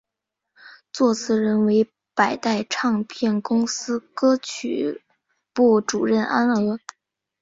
作词人为百代唱片公司歌曲部主任安娥。